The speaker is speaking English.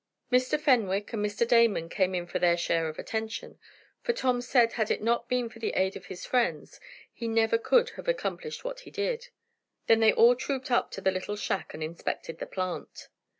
Mr. Fenwick and Mr. Damon came in for their share of attention, for Tom said had it not been for the aid of his friends he never could have accomplished what he did. Then they all trooped up to the little shack, and inspected the plant.